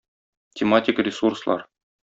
Тематик ресурслар